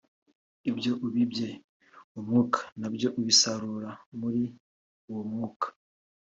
ibyo ubibye mu mwuka na byo ubisarura muri uwo mwuka